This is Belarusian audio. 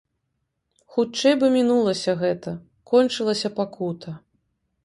Хутчэй бы мінулася гэта, кончылася пакута!